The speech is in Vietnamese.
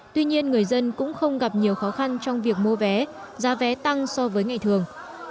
tuy nhiên người dân cũng không gặp nhiều khó khăn trong việc mua vé giá vé tăng so với ngày thường